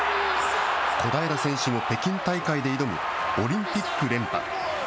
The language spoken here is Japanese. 小平選手も北京大会で挑むオリンピック連覇。